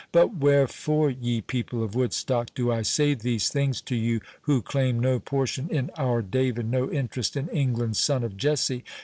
"But wherefore, ye people of Woodstock, do I say these things to you, who claim no portion in our David, no interest in England's son of Jesse?